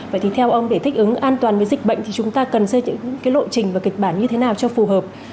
vậy thì theo ông để thích ứng an toàn với dịch bệnh thì chúng ta cần xây dựng lộ trình và kịch bản như thế nào cho phù hợp